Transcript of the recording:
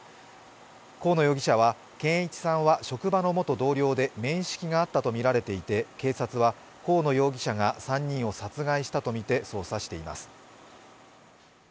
河野容疑者は健一さんは職場の元同僚で面識があったとみられていて警察は、河野容疑者が３人を殺害したとみて捜査しています。